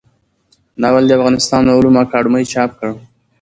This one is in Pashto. ناول د افغانستان علومو اکاډمۍ چاپ کړ.